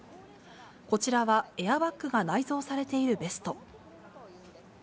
こちらはエアバッグが内蔵されているベスト。